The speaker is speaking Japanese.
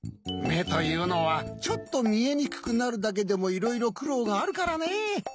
めというのはちょっとみえにくくなるだけでもいろいろくろうがあるからね。